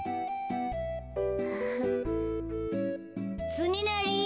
つねなり！